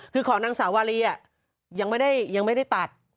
คือของนางสาวรียังไม่ได้ตัด